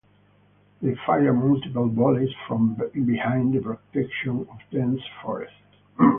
They fired multiple volleys from behind the protection of dense forest.